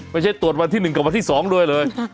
ไม่ใช่ตรวจวันที่๑กับวันที่๒ด้วยเลย